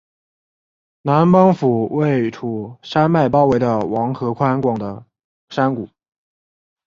南邦府位处山脉包围的王河宽广的山谷。